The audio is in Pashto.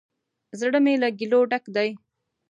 زړه می له ګیلو ډک دی